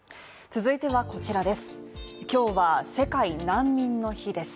続いてはこちらです